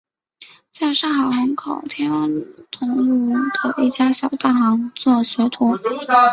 在上海虹口天潼路的一家小蛋行做学徒。